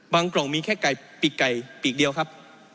กล่องมีแค่ไก่ปีกไก่ปีกเดียวครับ